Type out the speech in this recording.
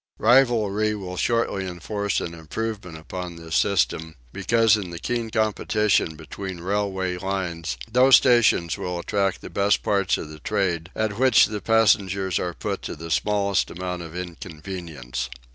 Rivalry will shortly enforce an improvement upon this system, because in the keen competition between railway lines those stations will attract the best parts of the trade at which the passengers are put to the smallest amount of inconvenience.